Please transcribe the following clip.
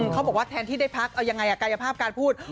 เขาบอกว่าแทนที่ได้พักเอายังไงกายภาพการพูด